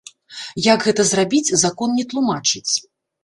Як гэта зрабіць, закон не тлумачыць.